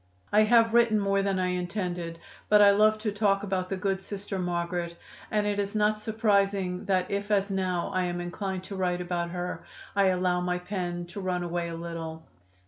"I have written more than I intended, but I love to talk about the good Sister Margaret, and it is not surprising that if, as now, I am inclined to write about her, I allow my pen to run away a little.